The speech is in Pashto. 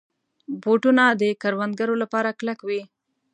بوټونه د کروندګرو لپاره کلک وي.